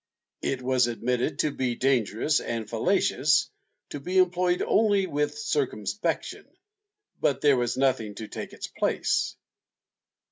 It was admitted to be dangerous and fallacious, to be employed only with circumspection, but there was nothing to take its place.